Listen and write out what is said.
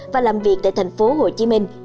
và làm việc tại thành phố hồ chí minh